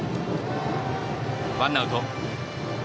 ワンアウト。